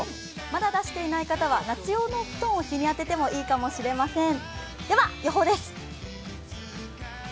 まだ出していない方は夏用のお布団を日に当ててもいいかもしれません。